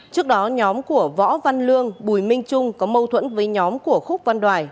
trước đó nhóm của võ văn lương bùi minh trung có mâu thuẫn với nhóm của khúc văn đoài